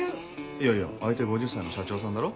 いやいや相手５０歳の社長さんだろ。